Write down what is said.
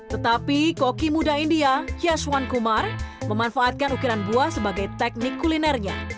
tetapi koki muda india yaswan kumar memanfaatkan ukiran buah sebagai teknik kulinernya